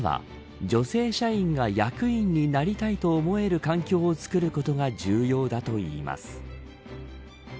まずは、女性社員が役員になりたいと思える環境をつくることが重要だといいます。